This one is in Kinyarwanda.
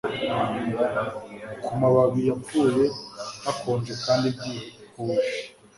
Ku mababi yapfuye hakonje kandi byihuse